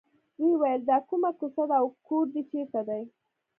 وویل دا کومه کوڅه ده او کور دې چېرته دی.